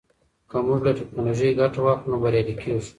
که موږ له ټیکنالوژۍ ګټه واخلو نو بریالي کیږو.